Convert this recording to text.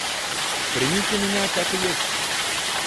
Примите меня, как есть.